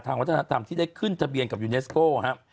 วัฒนธรรมที่ได้ขึ้นทะเบียนกับยูเนสโก้ครับ